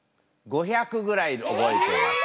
５００ぐらい覚えています。